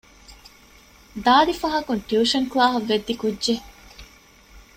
ދާދި ފަހަކުން ޓިއުޝަން ކްލާހަކަށް ވެއްދި ކުއްޖެއް